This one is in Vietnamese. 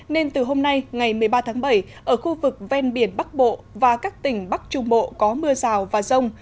nên từ hôm nay ngày một mươi ba tháng bảy ở khu vực ven biển bắc bộ và các tỉnh bắc trung bộ có mưa rào và rông